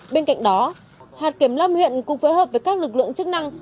bên cạnh đó hạt kiểm lâm huyện cũng phối hợp với các lực lượng chức năng